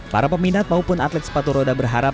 para peminat maupun atlet sepatu roda berharap